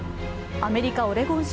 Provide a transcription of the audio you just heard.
アメリカ・オレゴン州。